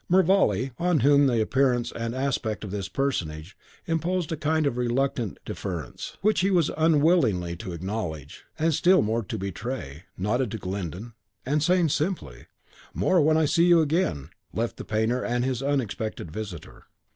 Mervale, on whom the appearance and aspect of this personage imposed a kind of reluctant deference, which he was unwilling to acknowledge, and still more to betray, nodded to Glyndon, and saying, simply, "More when I see you again," left the painter and his unexpected visitor.